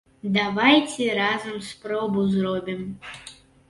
Давайце разам спробу зробім.